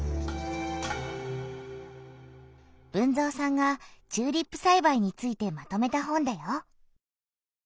豊造さんがチューリップさいばいについてまとめた本だよ。